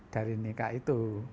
dari nikah itu